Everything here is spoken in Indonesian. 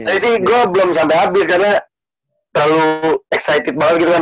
tapi sih gue belum sampe habis karena terlalu excited banget gitu kan